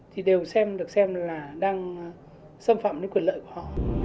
thì đều được xem là đang xâm phạm những quyền lợi của họ